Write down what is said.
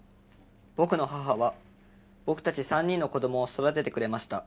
「僕の母は僕たち３人の子供を育ててくれました」